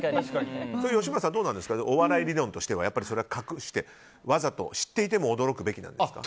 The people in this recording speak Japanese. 吉村さん、どうなんですかお笑い理論としては隠して知っていても驚くべきですか？